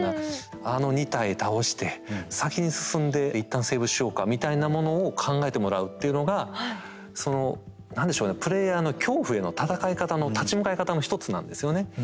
あの２体倒して先に進んで一旦セーブしようか」みたいなものを考えてもらうっていうのがその何でしょうねプレイヤーの恐怖への戦い方の立ち向かい方の一つなんですよね。